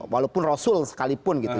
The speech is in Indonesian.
walaupun rosul sekalipun gitu